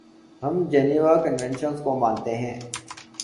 ہم Geneva conventions کو مانتے ہیں۔